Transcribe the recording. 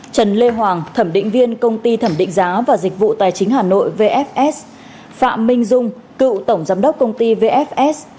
trần lê hoàng thẩm định viên công ty thẩm định giá và dịch vụ tài chính hà nội vfs phạm minh dung cựu tổng giám đốc công ty vfs